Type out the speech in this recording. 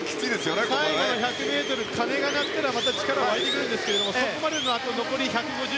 最後の１００ｍ、鐘が鳴ったらまた力が湧いてくるんですがそこまでの１５０。